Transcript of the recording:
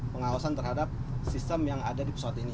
pengawasan terhadap sistem yang ada di pesawat ini